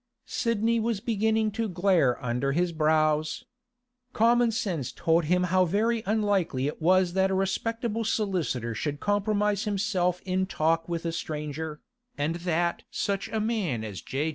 Sidney was beginning to glare under his brows. Commonsense told him how very unlikely it was that a respectable solicitor should compromise himself in talk with a stranger, and that such a man as J.